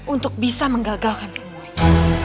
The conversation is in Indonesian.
untuk bisa menggagalkan semuanya